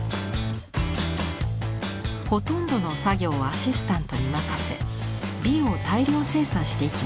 ほとんどの作業をアシスタントに任せ「美」を大量生産していきました。